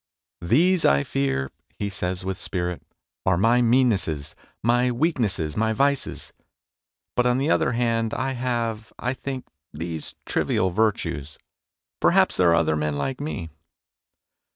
" These I fear," he says with spirit, " are my meannesses, my weaknesses, my vices ; but, on the other hand, I have, I think, these trivial virtues. Perhaps there are other men like me